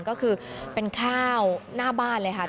ก็คือเป็นข้าวหน้าบ้านเลยค่ะ